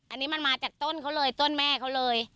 อันนี้มันมาจากต้นเขาเลยต้นแม่เขาเลย